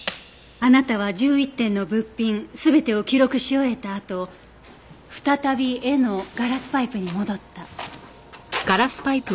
あなたは１１点の物品全てを記録し終えたあと再びエのガラスパイプに戻った。